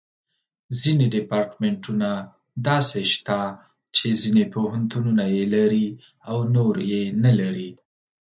ځینې ډیپارټمنټونه داسې شته چې ځینې پوهنتونونه یې لري او نور یې نه لري.